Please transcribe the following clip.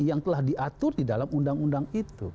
yang telah diatur di dalam undang undang itu